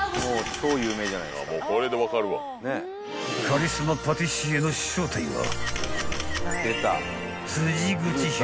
［カリスマパティシエの正体は］